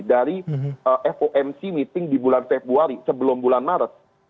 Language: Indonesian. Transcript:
dari fomc meeting di bulan februari sebelum bulan maret